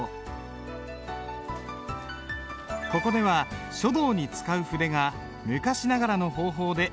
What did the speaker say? ここでは書道に使う筆が昔ながらの方法で作られている。